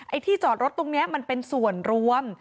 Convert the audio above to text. ที่จอดรถตรงนี้มันเป็นส่วนรวม